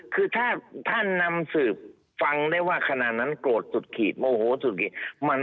คือถ้าท่านนำสืบฟังได้ว่าขณะนั้นโกรธสุดขีดโมโหสุดขีด